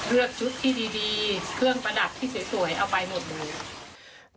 ชุดที่ดีเครื่องประดับที่สวยเอาไปหมดเลย